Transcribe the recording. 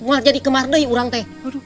wah jadi kemardai orang teh